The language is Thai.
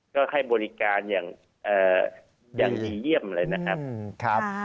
ก็ให้บริการอย่างดีเยี่ยมเลยนะครับ